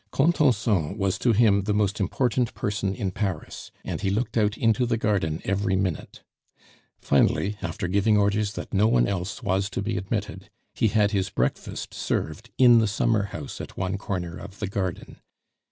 Contenson was to him the most important person in Paris, and he looked out into the garden every minute. Finally, after giving orders that no one else was to be admitted, he had his breakfast served in the summer house at one corner of the garden.